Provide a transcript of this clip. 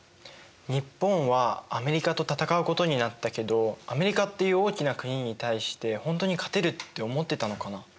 日本はアメリカと戦うことになったけどアメリカっていう大きな国に対して本当に勝てるって思ってたのかな？